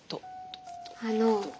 あの。